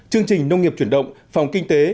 chương trình nông nghiệp chuyển động phòng kinh tế